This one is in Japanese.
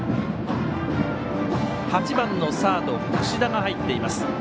８番のサード、櫛田が入っています。